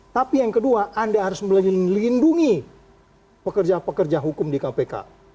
tapi yang kedua anda harus melindungi pekerja pekerja hukum di kpk